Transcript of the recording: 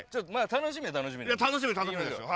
楽しみ楽しみですよ。